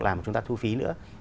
làm chúng ta thu phí nữa